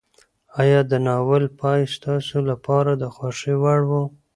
ایا د ناول پای ستاسو لپاره د خوښۍ وړ و؟